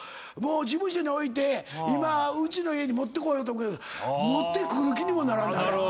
事務所に置いて今うちの家に持ってこようと持ってくる気にもならんねん。